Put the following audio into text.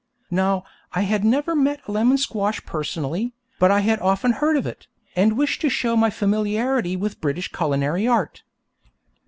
Now, I had never met a lemon squash personally, but I had often heard of it, and wished to show my familiarity with British culinary art.